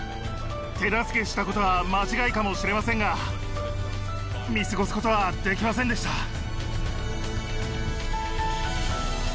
手助けしたことは間違いかもしれませんが見過ごすことはできませんでした。